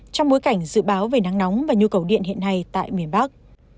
trong bối cảnh dự báo về nắng nóng và nhu cầu điện hiện nay tại miền bắc